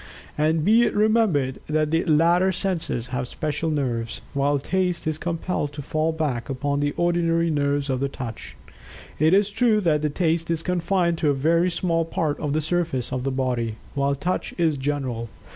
And, be it remembered, that the latter senses have special nerves, while Taste is compelled to fall back upon the ordinary nerves of Touch. It is true that Taste is confined to a very small part of the surface of the body, while Touch is general.